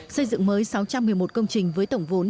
xây dựng mới sáu trăm một mươi một công trình với tổng vốn